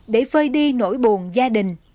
để phơi đi nỗi buồn gia đình